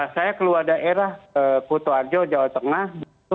saya keluar daerah puto arjo jawa tengah